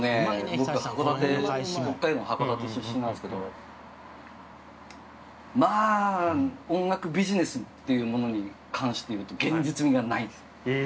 僕函館北海道の函館出身なんですけどまあ音楽ビジネスっていうものに関していうと現実味がないんですええー？